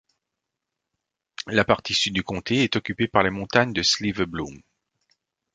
La partie sud du comté est occupée par les Montagnes de Slieve Bloom.